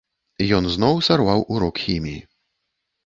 Ён зноў сарваў урок хіміі.